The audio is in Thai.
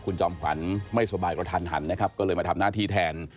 คุณจอมขวัญไม่สบายกระทันหันนะครับก็เลยมาทำหน้าที่แทน